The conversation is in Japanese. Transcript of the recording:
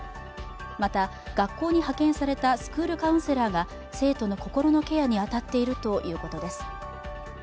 また学校に派遣されたスクールカウンセラーが生徒の心のケアに当たっているということです。